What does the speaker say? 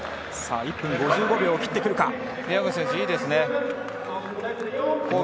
１分５５秒を切ってくるか？